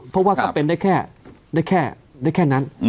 เพราะว่าก็เป็นได้แค่นั้น